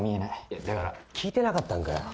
だから聞いてなかったのかよ？